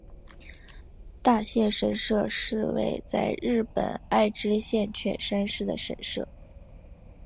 大县神社是位在日本爱知县犬山市的神社。